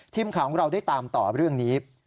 ทีมข่าวของเราได้ตามต่อเรื่องนี้